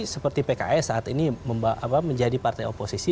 seperti pks saat ini menjadi partai oposisi